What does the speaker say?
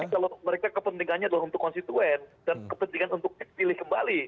tapi kalau mereka kepentingannya adalah untuk konstituen dan kepentingan untuk pilih kembali